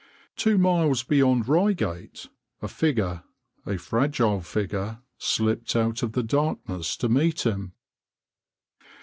Two miles beyond Reigate a figure, a fragile figure, slipped out of the darkness to meet him.